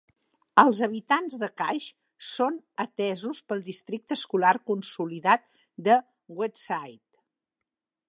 Els habitants de Cash són atesos pel districte escolar consolidat de Westside.